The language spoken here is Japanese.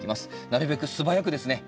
なるべく素早くですね。